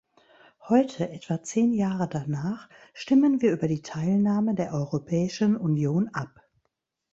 Heute, etwa zehn Jahre danach, stimmen wir über die Teilnahme der Europäischen Union ab.